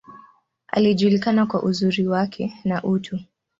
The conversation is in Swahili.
Alijulikana kwa uzuri wake, na utu.